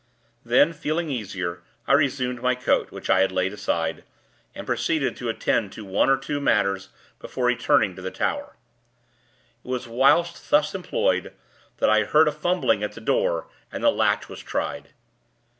Then, feeling easier, I resumed my coat, which I had laid aside, and proceeded to attend to one or two matters before returning to the tower. It was whilst thus employed, that I heard a fumbling at the door, and the latch was tried.